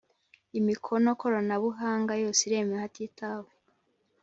Imikono koranabuhanga yose iremewe hatitawe